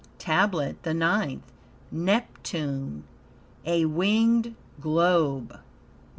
TABLET THE NINTH Neptune A Winged Globe.